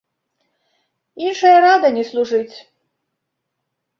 Іншая рада не служыць.